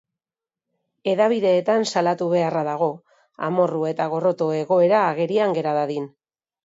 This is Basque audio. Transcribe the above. Hedabideetan salatu beharra dago, amorru eta gorroto egoera agerian gera dadin.